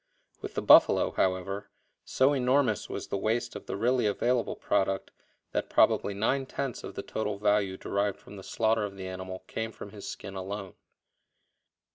With the buffalo, however, so enormous was the waste of the really available product that probably nine tenths of the total value derived from the slaughter of the animal came from his skin alone.